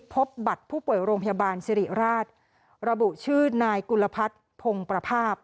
พบบัตรผู้ป่วยโรงพยาบาลสิริราชระบุชื่อนายกุลพัฒน์พงประภาพ